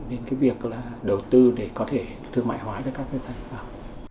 đến cái việc đầu tư để có thể thương mại hóa cho các doanh nghiệp